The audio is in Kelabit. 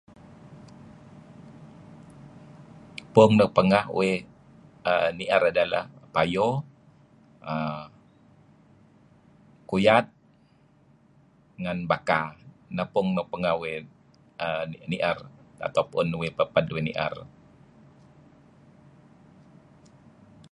Puung nuk pengeh uih err... ni'er ideh leh payo, kuyad ngen baka. Neh puung nuk pengeh uih ni'er atau puungn nuk peped uih ni'er.